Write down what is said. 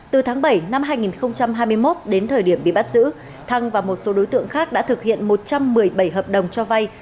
từ tháng bảy năm hai nghìn hai mươi một đến thời điểm bị bắt giữ thăng và một số đối tượng khác đã thực hiện một trăm một mươi bảy hợp đồng cho vay